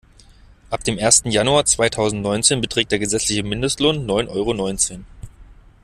Ab dem ersten Januar zweitausendneunzehn beträgt der gesetzliche Mindestlohn neun Euro neunzehn.